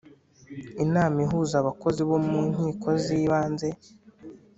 inama ihuza abakozi bo mu nkiko zibanze